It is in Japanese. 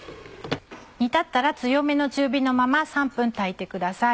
煮立ったら強めの中火のまま３分炊いてください。